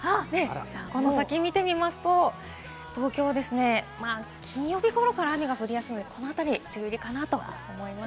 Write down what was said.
この先見てみますと東京ですね、金曜日頃から雨が降り出すのでこの辺り、梅雨入りかなと思います。